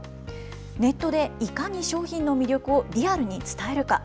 ネットでいかに商品の魅力をリアルに伝えるか。